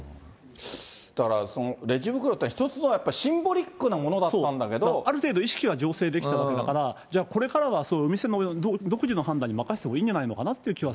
だから、レジ袋って一つのやっぱり、シンボリックなものだっある程度意識は醸成できたわけだから、じゃあ、これからはお店の独自の判断に任せたほうがいいんじゃないのかな